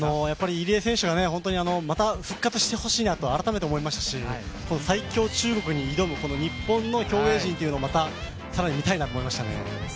入江選手がまた復活してほしいなと改めて思いましたし、最強中国に挑む日本の競泳陣というのをまた、更に見たいなと思いましたね。